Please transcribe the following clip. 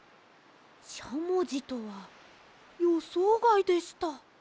しゃもじとはよそうがいでした。